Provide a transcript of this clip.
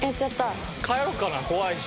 帰ろうかな怖いし。